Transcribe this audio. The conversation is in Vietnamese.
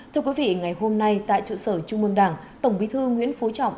thưa quý vị ngày hôm nay tại trụ sở trung mương đảng tổng bí thư nguyễn phú trọng